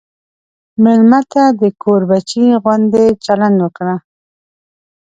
مېلمه ته د کور بچی غوندې چلند وکړه.